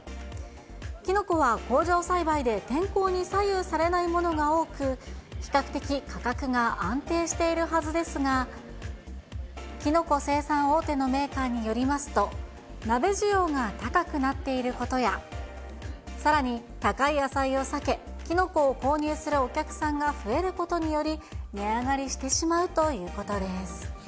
キノコは工場栽培で天候に左右されないものが多く、比較的価格が安定しているはずですが、キノコ生産大手のメーカーによりますと、鍋需要が高くなっていることや、さらに高い野菜を避け、キノコを購入するお客さんが増えることにより、値上がりしてしまうということです。